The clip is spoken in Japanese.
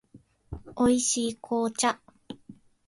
美味しい紅茶